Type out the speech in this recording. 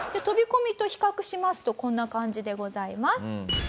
飛込と比較しますとこんな感じでございます。